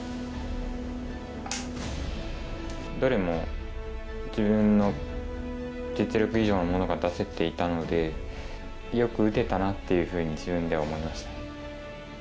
どれも自分の実力以上のものが出せていたのでよく打てたなっていうふうに自分では思いましたね。